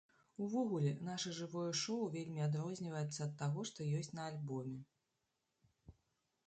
Увогуле, наша жывое шоў вельмі адрозніваецца ад таго, што ёсць на альбоме.